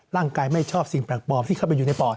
ไม่ชอบสิ่งแปลกปลอมที่เข้าไปอยู่ในปอด